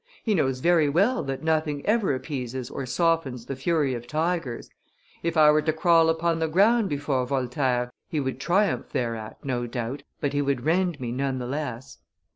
He knows very well that nothing ever appeases or softens the fury of tigers; if I were to crawl upon the ground before Voltaire, he would triumph thereat, no doubt, but he would rend me none the less.